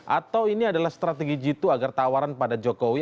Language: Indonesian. atau ini adalah strategi jitu agar tawaran pada jokowi